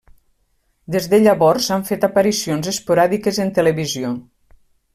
Des de llavors han fet aparicions esporàdiques en televisió.